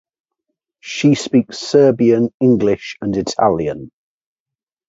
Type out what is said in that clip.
She speaks Serbian, English, and Italian.